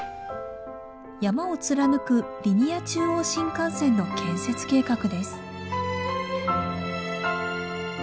山を貫くリニア中央新幹線の建設計画です。